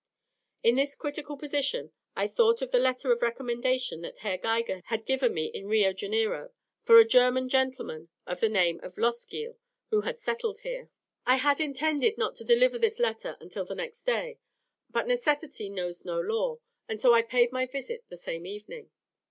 In this critical position I thought of the letter of recommendation that Herr Geiger had given me in Rio Janeiro, for a German gentleman of the name of Loskiel, who had settled here. I had intended not to deliver this letter until the next day, but "necessity knows no law," and so I paid my visit the same evening.